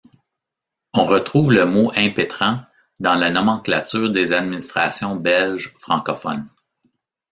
On retrouve le mot impétrant dans la nomenclature des administrations belges francophones.